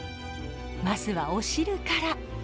まずはお汁から。